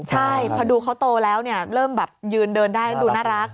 ใช่พอดูเขาโตแล้วเริ่มแบบยืนเดินได้แล้วดูน่ารัก